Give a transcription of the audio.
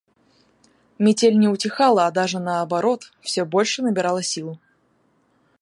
Метель не утихала, а даже наоборот, все больше набирала силу.